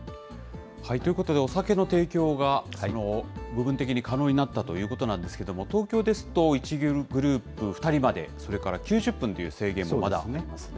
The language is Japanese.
ということで、お酒の提供が部分的に可能になったということなんですけれども、東京ですと、１グループ２人まで、それから９０分という制限もまだありますね。